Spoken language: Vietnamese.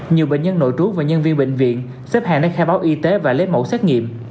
nhiều bệnh nhân nội trú và nhân viên bệnh viện xếp hàng đến khai báo y tế và lấy mẫu xét nghiệm